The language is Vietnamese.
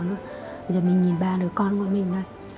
giờ mình nhìn ba đứa con của mình ra